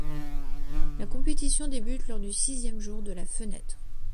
La compétition débute lors du sixième jour de la fenêtre.